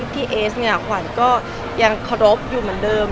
พี่เอสเนี่ยขวัญก็ยังเคารพอยู่เหมือนเดิม